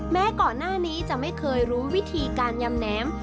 แม้ก่อนหน้านี้จะไม่เคยรู้วิธีการยำแหนม